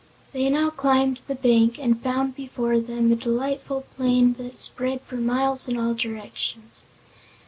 They now climbed the bank and found before them a delightful plain that spread for miles in all directions.